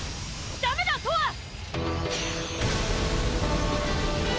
ダメだとわ！